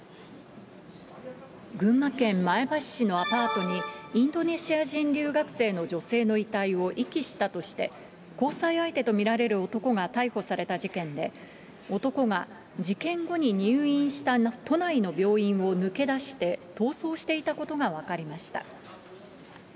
群馬県前橋市のアパートに、インドネシア人留学生の女性の遺体を遺棄したとして、交際相手と見られる男が逮捕された事件で、男が事件後に入院した都内の病院を抜け出して、逃走していたことが分かりました。